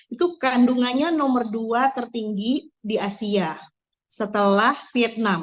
itu kandungannya nomor dua tertinggi di asia setelah vietnam